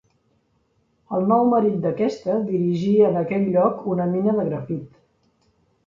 El nou marit d'aquesta dirigia en aquell lloc una mina de grafit.